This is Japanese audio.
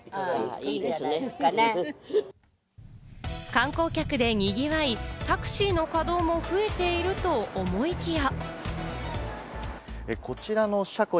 観光客で賑わい、タクシーの稼働も増えていると思いきや。